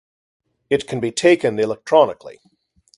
It can be taken electronically.